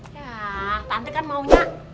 ya tante kan maunya